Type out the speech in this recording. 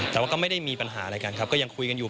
แต่ว่าก็ไม่ได้มีปัญหาอะไรกันครับก็ยังคุยกันอยู่